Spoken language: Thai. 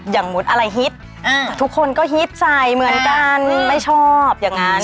มุดอะไรฮิตทุกคนก็ฮิตใส่เหมือนกันไม่ชอบอย่างนั้น